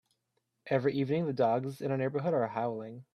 Every evening, the dogs in our neighbourhood are howling.